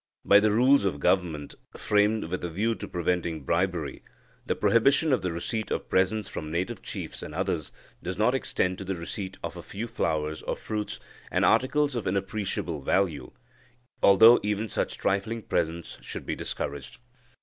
By the rules of Government, framed with a view to preventing bribery, the prohibition of the receipt of presents from Native Chiefs and others does not extend to the receipt of a few flowers or fruits, and articles of inappreciable value, although even such trifling presents should be discouraged.